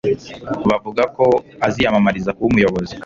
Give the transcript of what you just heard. Bavuga ko aziyamamariza kuba umuyobozi